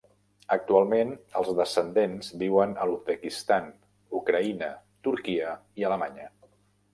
Actualment els descendents viuen a l'Uzbekistan, Ucraïna, Turquia i Alemanya.